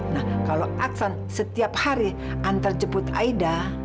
nah kalau aksan setiap hari menjemput aida